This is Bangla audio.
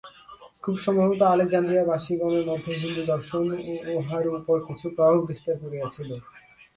খুব সম্ভবত আলেকজান্দ্রিয়া-বাসিগণের মধ্য দিয়া হিন্দুদর্শন উহার উপর কিছু প্রভাব বিস্তার করিয়াছিল।